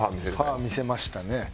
パー見せましたね。